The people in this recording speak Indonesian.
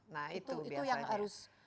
nah itu yang harus